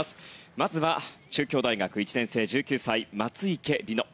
まずは中京大学１年生、１９歳松生理乃。